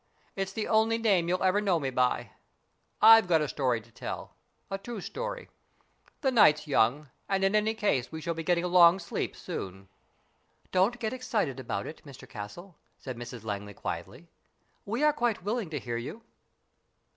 It's the only name you'll ever know me by. I've got a story to tell a true story. The night's young, and in any case we shall be getting a long sleep soon." BURDON'S TOMB 87 "Don't get excited about it, Mr Castle," said Mrs Langley, quietly. " We are quite willing to hear you."